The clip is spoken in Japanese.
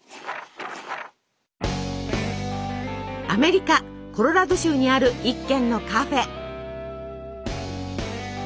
アメリカコロラド州にある１軒のカフェ。